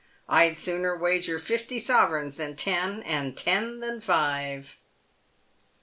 I'd sooner wager fifty sovereigns than ten, and ten than five."